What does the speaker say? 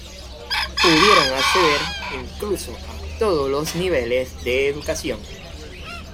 Pudieron acceder incluso a todos los niveles de educación.